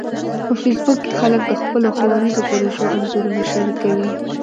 په فېسبوک کې خلک د خپلو ښوونیزو پروژو انځورونه شریکوي